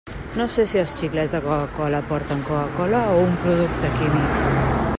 No sé si els xiclets de Coca-cola porten Coca-cola o un producte químic.